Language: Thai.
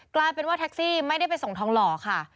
กลายเป็นว่าแท็กซี่ไม่ได้ไปส่งทองหล่อค่ะ